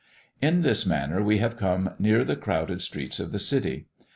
In this manner we have come near the crowded streets of the city.